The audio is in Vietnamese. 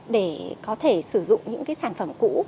để có thể sử dụng những sản phẩm cũ